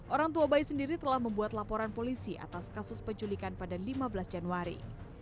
orang tua bayi sendiri telah membuat laporan polisi atas kasus penculikan pada lima belas januari